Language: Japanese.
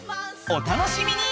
お楽しみに！